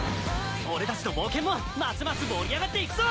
俺たちの冒険もますます盛り上がっていくぞ！